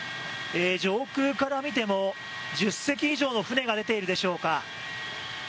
上空から見ても１０隻以上の船が出てるでしょうか。